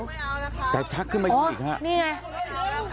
ไม่เอาล่ะครับแต่ชักขึ้นไปอีกค่ะโอ้นี่ไงไม่เอาล่ะครับ